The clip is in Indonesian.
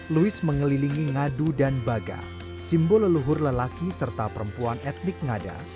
louis mengelilingi ngadu dan baga simbol leluhur lelaki serta perempuan etnik ngada